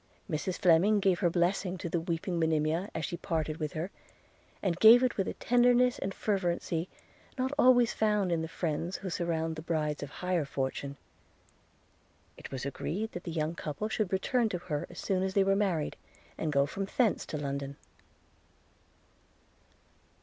– Mrs Fleming gave her blessing to the weeping Monimia as she parted with her, and gave it with a tenderness and fervency not always found in the friends who surround the brides of higher fortune. – It was agreed that the young couple should return to her as soon as they were married, and go from thence to London.